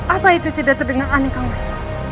apa itu tidak terdengar aneh kang mas